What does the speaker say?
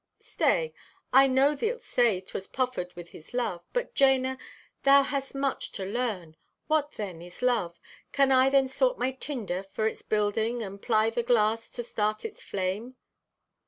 "Stay! I know thee'lt say 'twas proffered with his love. But, Jana, thou hast much to learn. What, then, is love? Can I then sort my tinder for its building and ply the glass to start its flame?